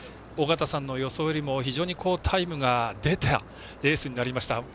尾方さんの予想よりも非常に好タイムが出たレースになりました。